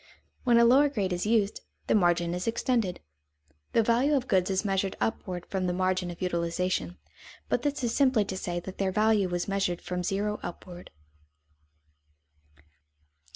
When a lower grade is used, the margin is extended. The value of goods is measured upward from the margin of utilization, but this is simply to say that their value is measured from zero upward.